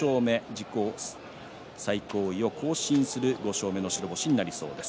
自己最高位を更新する５勝目の白星です。